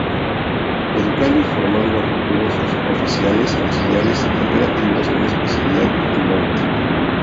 Educando y formando a futuros Suboficiales, Auxiliares Operativos con Especialidad en Monte.